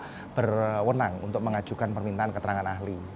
diperwenang untuk mengajukan permintaan keterangan ahli